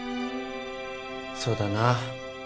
そうだな。